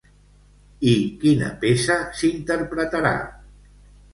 I quina peça s'interpretarà?